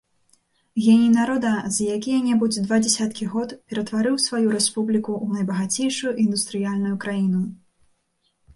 Геній народа за якія-небудзь два дзесяткі год ператварыў сваю рэспубліку ў найбагацейшую індустрыяльную краіну.